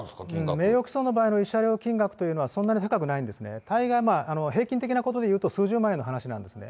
名誉棄損の場合の慰謝料金額というのは、そんなに高くないんですね、大概平均的なことで言うと、数十万円の話なんですね。